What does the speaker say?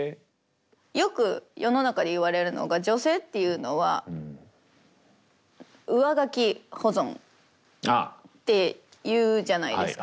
よく世の中で言われるのが女性っていうのは上書き保存って言うじゃないですか。